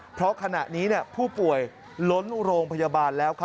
เพราะขณะนี้ผู้ป่วยล้นโรงพยาบาลแล้ว